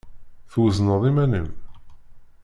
Twezneḍ iman-im?